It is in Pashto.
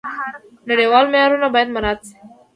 نړیوال معیارونه باید مراعات شي.